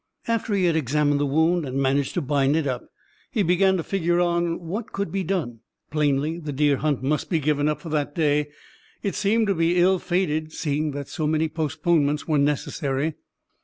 After he had examined the wound and managed to bind it up, he began to figure on what could be done. Plainly the deer hunt must be given up for that day. It seemed to be ill fated, seeing that so many postponements were necessary.